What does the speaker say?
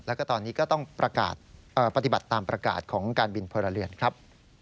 แล้วก็ตอนนี้ก็ต้องประกาศปฏิบัติตามประกาศของการบินพลเรือนครับ